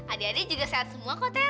adik adik juga sehat semua kok tea